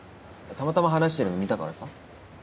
たまたま話してるの見たからさ。